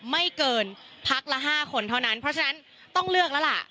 ไม่เกินพักละ๕คนเท่านั้นเพราะฉะนั้นต้องเลือกแล้วล่ะ